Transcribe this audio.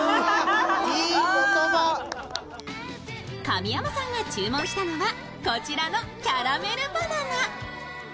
神山さんが注文したのはこちらのキャラメルバナナ。